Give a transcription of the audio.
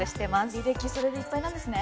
履歴それでいっぱいなんですね？